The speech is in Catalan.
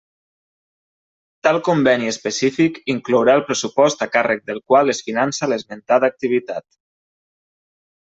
Tal conveni específic inclourà el pressupost a càrrec del qual es finança l'esmentada activitat.